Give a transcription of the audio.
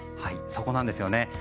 そこなんですよね。